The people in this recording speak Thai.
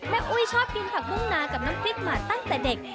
อุ้ยชอบกินผักบุ้งนากับน้ำพริกมาตั้งแต่เด็ก